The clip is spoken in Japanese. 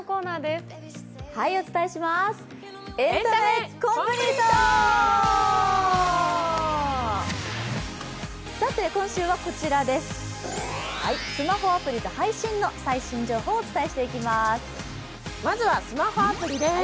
スマホアプリと配信の最新情報をお伝えしていきます。